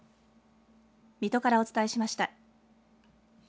水戸からお伝えしました。